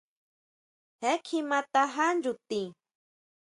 Je kjima tajá nyutin.